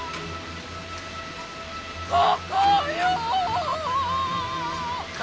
ここよぉ‼